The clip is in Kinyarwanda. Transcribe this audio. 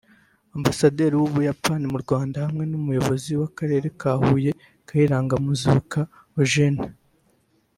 Ambasaderi w'u Buyapani mu Rwanda hamwe n'Umuyobozi w'akarere ka Huye Kayiranga Muzuka Eugene